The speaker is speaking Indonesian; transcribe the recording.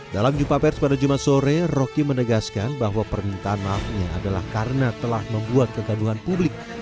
dalam jumpa pers pada jumat sore rocky menegaskan bahwa permintaan maafnya adalah karena telah membuat kegaduhan publik